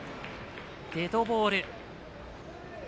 デッドボール。